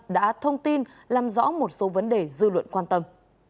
đã thông tin làm rõ một số vấn đề dư luận quan tâm